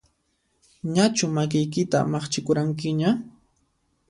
Ñachu makiykita maqchikuranqiña?